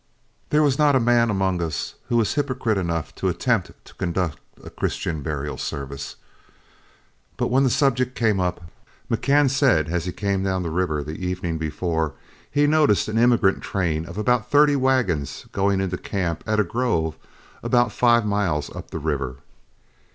There was not a man among us who was hypocrite enough to attempt to conduct a Christian burial service, but when the subject came up, McCann said as he came down the river the evening before he noticed an emigrant train of about thirty wagons going into camp at a grove about five miles up the river.